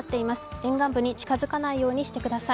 沿岸部に近づかないようにしてください。